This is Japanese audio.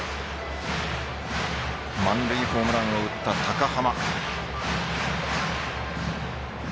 満塁ホームランを打った高濱。